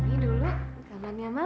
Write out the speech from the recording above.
ini dulu kamarnya mama